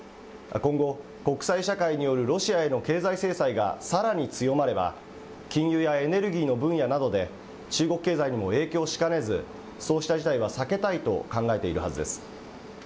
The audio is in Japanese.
今後、国際社会によるロシアへの経済制裁がさらに強まれば、金融やエネルギーの分野などで中国経済にも影響しかねず、そうした事態は避けたいと考えているはずです。